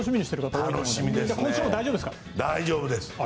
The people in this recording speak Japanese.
大丈夫です。